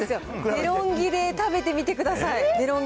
デロンギで食べてみてください。